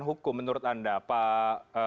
hukum menurut anda pak